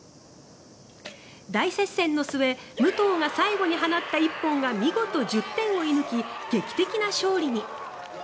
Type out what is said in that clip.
大接戦の末、武藤が最後に放った一本が見事１０点を射抜き劇的な勝利に。